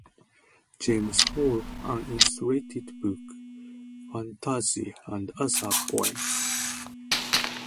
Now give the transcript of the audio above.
James Hall" an illustrated book "Phantasia, and other poems".